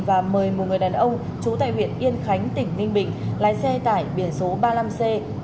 và mời một người đàn ông trú tại huyện yên khánh tỉnh ninh bình lái xe tải biển số ba mươi năm c bốn nghìn tám mươi hai